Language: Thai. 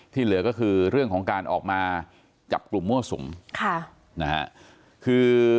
เหลือก็คือเรื่องของการออกมาจับกลุ่มมั่วสุมค่ะนะฮะคือ